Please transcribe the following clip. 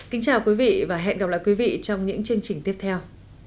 kính chào quý vị và hẹn gặp lại quý vị trong những chương trình tiếp theo